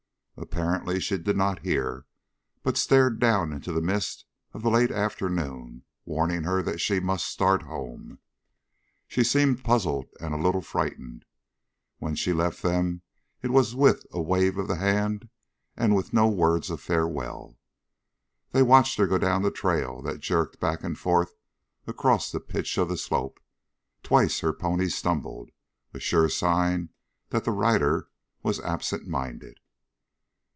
Apparently she did not hear, but stared down into the mist of the late afternoon, warning her that she must start home. She seemed puzzled and a little frightened. When she left them it was with a wave of the hand and with no words of farewell. They watched her go down the trail that jerked back and forth across the pitch of the slope; twice her pony stumbled, a sure sign that the rider was absent minded.